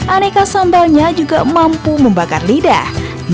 aneka sambalnya juga mampu membakar lidah